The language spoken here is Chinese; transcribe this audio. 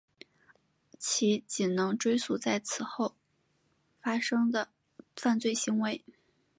其仅能追诉在此之后所发生的犯罪行为。